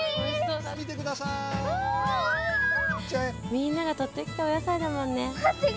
みんながとってきたおやさいだもんね。